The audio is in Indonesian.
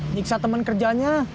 nyiksa temen kerjanya